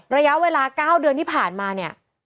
ระยะเวลา๙เดือนที่ผ่านมาเนี่ย